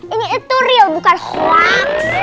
ini itu real bukan hoaks